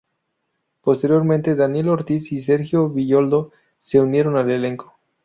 Posteriormente Daniel Ortiz y Sergio Villoldo se unieron al elenco.